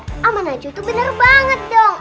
sama naju itu bener banget dong